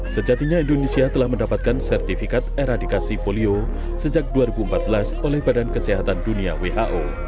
sejatinya indonesia telah mendapatkan sertifikat eradikasi polio sejak dua ribu empat belas oleh badan kesehatan dunia who